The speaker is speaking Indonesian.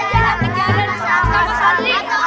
jangan jangan sampai saling